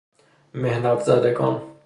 محنت زدگان